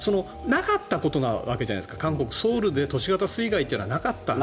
なかったことなわけじゃないですか、韓国ソウルでは都市型水害はなかった。